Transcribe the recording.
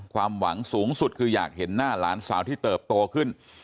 ความหวังสูงสุดคืออยากเห็นหน้าหลานสาวที่เติบโตขึ้น